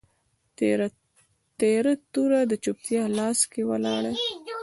تیره توره د چوپتیا لاس کي ولاړه